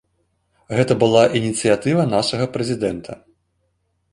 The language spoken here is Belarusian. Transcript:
Гэта была ініцыятыва нашага прэзідэнта.